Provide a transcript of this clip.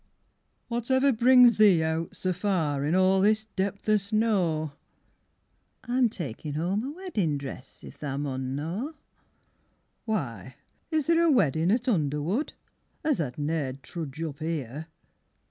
VI Whativer brings thee out so far In a' this depth o' snow? I'm takin' 'ome a weddin' dress If tha maun know. Why, is there a weddin' at Underwood, As tha ne'd trudge up here?